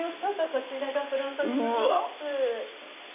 こちらがフロントでございます。